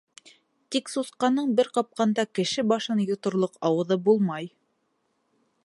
Тик сусҡаның бер ҡапҡанда кеше башын йоторлоҡ ауыҙы булмай.